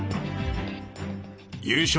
優勝